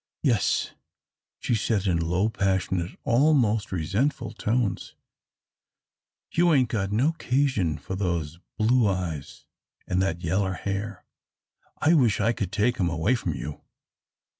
"Yes," she said in low, passionate, almost resentful tones, "you ain't got no 'casion for those blue eyes an' that yeller hair. I wish I could take 'em away from you.